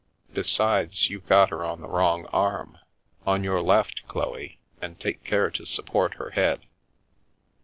Besides, you've got her on the wrong arm ! On your left, Chloe, and take care to support her head."